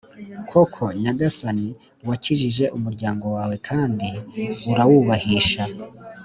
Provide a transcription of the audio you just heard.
Koko, Nyagasani, wakijije umuryango wawe kandi urawubahisha;